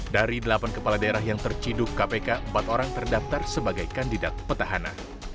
dari delapan kepala daerah yang terciduk kpk empat orang terdaftar sebagai kandidat petahana